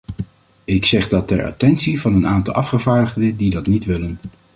Ik zeg dat ter attentie van een aantal afgevaardigden die dat niet willen.